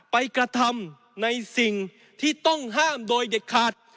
กระทำในสิ่งที่ต้องห้ามโดยเด็ดขาด